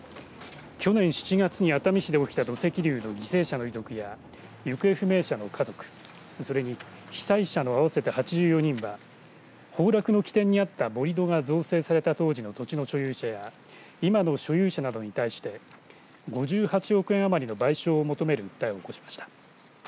去年７月に熱海市で起きた土石流の犠牲者の遺族や行方不明者の家族それに被災者の合わせて８４人は崩落の起点にあった盛り土が造成された当時の土地の所有者や今の所有者などに対して５８億円余りの賠償を求める訴えを起こしました。